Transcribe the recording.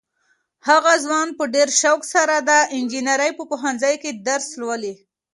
هغه ځوان په ډېر شوق سره د انجنیرۍ په پوهنځي کې درس لولي.